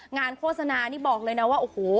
โฆษณานี่บอกเลยนะว่าโอ้โห